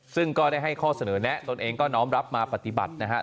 ซึ่งก็ได้ให้ข้อเสนอแนะตนเองก็น้อมรับมาปฏิบัตินะครับ